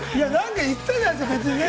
言ったじゃないですか！